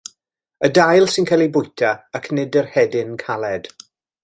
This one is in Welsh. Y dail sy'n cael eu bwyta ac nid yr hedyn caled.